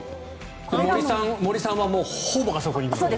森さんはほぼあそこに行くと。